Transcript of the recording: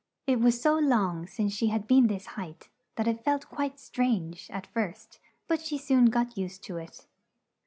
It was so long since she had been this height, that it felt quite strange, at first, but she soon got used to it.